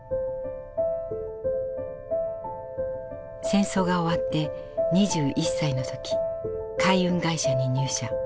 戦争が終わって２１歳の時海運会社に入社。